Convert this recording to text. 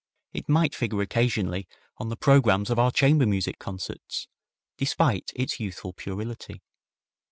It might figure occasionally on the programmes of our chamber music concerts, despite its youthful puerility.